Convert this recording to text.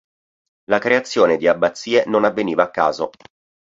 La creazione di abbazie non avveniva a caso.